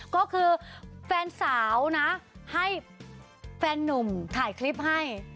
ก็คือแฟนสาวนะให้แฟนนุ่มถ่ายคลิปให้